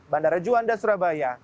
bandara juanda surabaya